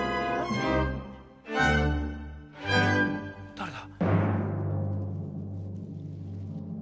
誰だ？